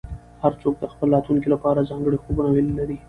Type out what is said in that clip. هر څوک د خپل راتلونکي لپاره ځانګړي خوبونه او هیلې لري.